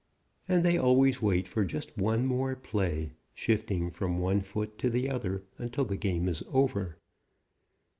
And they always wait for just one more play, shifting from one foot to the other, until the game is over.